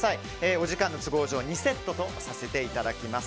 お時間の都合上２セットとさせていただきます。